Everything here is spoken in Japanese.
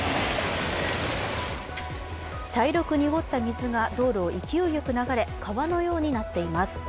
茶色く濁った水が道路を勢いよく流れ川のようになっています。